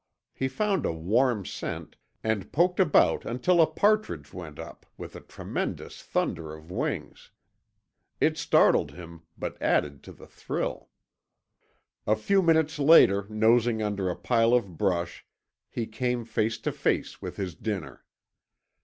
He found a warm scent, and poked about until a partridge went up with a tremendous thunder of wings. It startled him, but added to the thrill. A few minutes later, nosing under a pile of brush, he came face to face with his dinner.